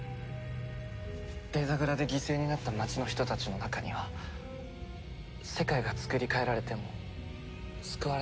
デザグラで犠牲になった町の人たちの中には世界がつくり変えられても救われなかった人たちがいて。